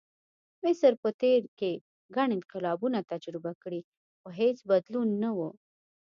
مصر په تېر کې ګڼ انقلابونه تجربه کړي، خو هېڅ بدلون نه و.